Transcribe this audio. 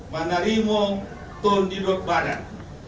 menerima tundidot badan